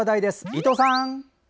伊藤さん。